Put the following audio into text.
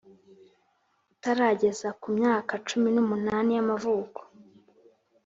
utarageza ku myaka cumi n'umunani y'amavuko.